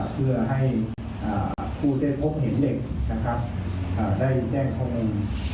เพื่อให้ผู้เด็กพบเห็นเด็กได้แจ้งข้างหนึ่ง